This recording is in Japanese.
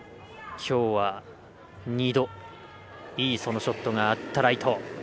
きょうは、２度いいそのショットがあったライト。